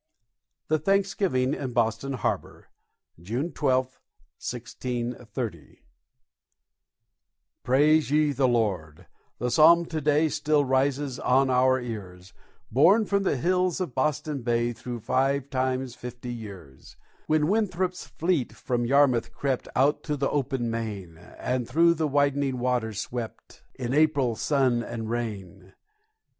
THE THANKSGIVING IN BOSTON HARBOR [June 12, 1630] "Praise ye the Lord!" The psalm to day Still rises on our ears, Borne from the hills of Boston Bay Through five times fifty years, When Winthrop's fleet from Yarmouth crept Out to the open main, And through the widening waters swept, In April sun and rain.